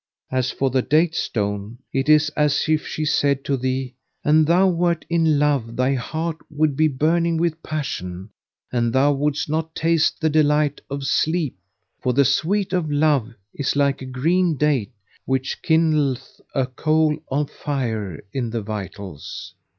As for the date stone, it is as if she said to thee, 'An thou wert in love thy heart would be burning with passion and thou wouldst not taste the delight of sleep; for the sweet of love is like a green date[FN#509] which kindleth a coal of fire in the vitals.'